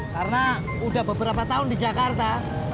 karena udah beberapa tahun di jakarta